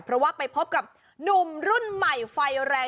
เพราะว่าไปพบกับหนุ่มรุ่นใหม่ไฟแรง